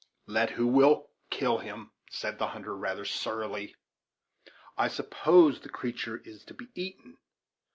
"Let who will kill him." said the hunter, rather surily. "I suppose the creature is to be eaten."